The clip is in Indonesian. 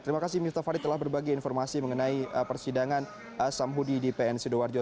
terima kasih miftah farid telah berbagi informasi mengenai persidangan samhudi di pn sidoarjo